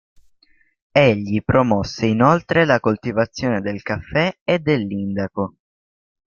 Egli promosse inoltre la coltivazione del caffè e dell'indaco.